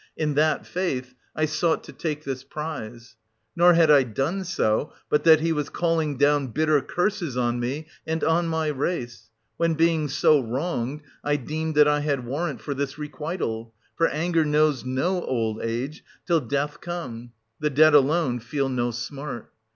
In that faith, I sought to 950 take this prize. Nor had I done so, but that he was calling down bitter curses on me, and on my race; when, being so wronged, I deemed that I had warrant for this requital. For anger knows no old age, till death come ; the dead alone feel no smart.